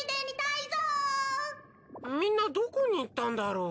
みんなどこに行ったんだろう？